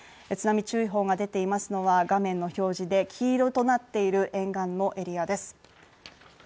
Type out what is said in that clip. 津波注意報が出ていますのは画面の表示で黄色となっている沿岸のエリアです。